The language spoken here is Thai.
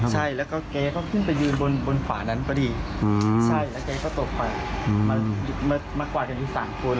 ใช่แล้วก็เขาก็ขึ้นไปยืนบนขัวนั้นพอดีและเขาก็ตกไปมาหวาดกันอีก๓คน